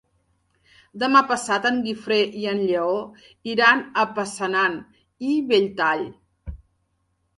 Demà passat en Guifré i en Lleó iran a Passanant i Belltall.